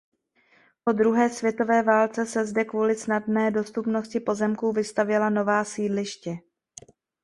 Po druhé světové válce se zde kvůli snadné dostupnosti pozemků vystavěla nová sídliště.